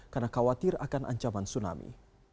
karena khawatir akan ancaman tsunami